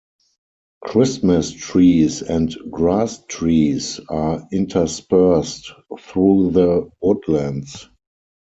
Christmas trees and grasstrees are interspersed through the woodlands.